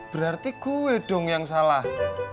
berarti gue dong yang salah